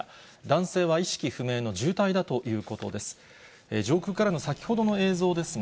男性は意識不明の重体だということです。